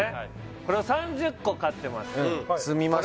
これを３０個買ってます